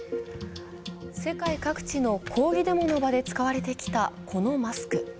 世界各地の抗議デモの場で使われてきたこのマスク。